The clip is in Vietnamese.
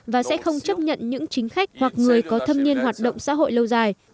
và sẽ không chấp nhận những chính khách hoặc người có thâm niên hoạt động xã hội lâu dài